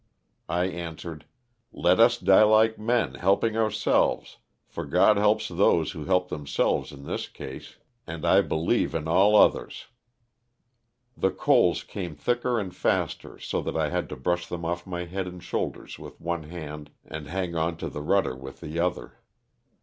I answered, " Let us die like men, helping ourselves, for God helps those who help themselves in this case and I believe in all 138 LOSS OF THE SULTANA. others." The coals came thicker and faster so that I had to brush them off my head and shoulders with one hand and hang on to the rudder with the other.